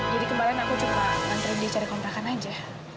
jadi kemarin aku coba nantriin dia cari kontrakan aja